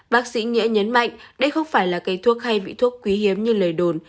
bác sĩ nghĩa nhấn mạnh đây không phải là cây thuốc hay vị thuốc quý hiếm như lời đồn